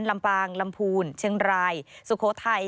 ลำปางลำภูนย์เชียงรายสุโคไทย